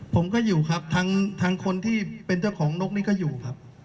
ผมก็อยู่ครับทางคนที่เป็นเจ้าของนกนี้ก็อยู่ครับ